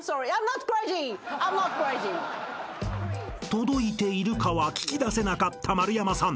［届いているかは聞き出せなかった丸山さん］